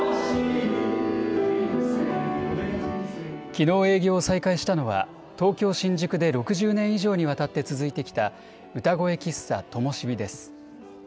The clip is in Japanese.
きのう、営業を再開したのは東京・新宿で６０年以上にわたって続いてきた、歌声喫茶ともしびです。